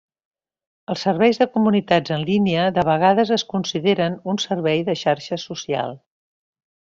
Els serveis de comunitats en línia de vegades es consideren un servei de xarxa social.